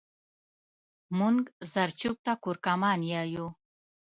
مونږ زرچوب ته کورکمان يايو